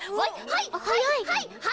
はいはいはい！